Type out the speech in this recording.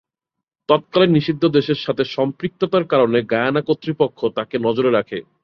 তৎকালীন নিষিদ্ধ দেশের সাথে সম্পৃক্ততার কারণে গায়ানা কর্তৃপক্ষ তাকে নজরে রাখে।